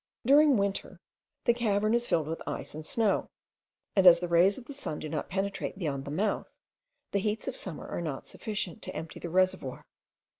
During winter the cavern is filled with ice and snow; and as the rays of the sun do not penetrate beyond the mouth, the heats of summer are not sufficient to empty the reservoir.